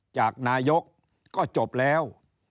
จากนายกก็จบแล้ว